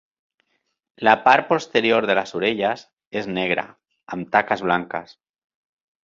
La part posterior de les orelles és negra amb taques blanques.